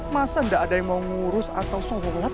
masa gak ada yang mau ngurus atau sobat sobat